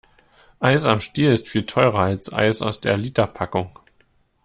Eis am Stiel ist viel teurer als Eis aus der Literpackung.